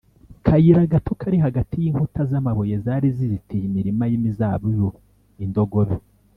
kayira gato kari hagati y inkuta z amabuye zari zizitiye imirima y imizabibu Indogobe